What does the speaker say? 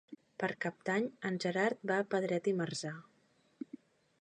Per Cap d'Any en Gerard va a Pedret i Marzà.